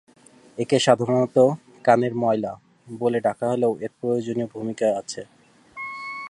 একে সাধারণতঃ "কানের ময়লা" বলে ডাকা হলেও এর প্রয়োজীয় ভুমিকা আছে।